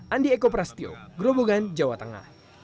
andi eko prasetyo gromogan jawa tengah